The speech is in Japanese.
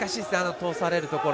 通されるところ。